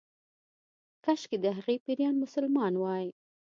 کشکې د هغې پيريان مسلمان وای